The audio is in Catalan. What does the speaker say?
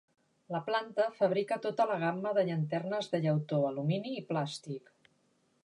La planta fabrica tota la gamma de llanternes de llautó, alumini i plàstic.